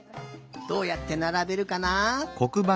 どうやってならべるかな？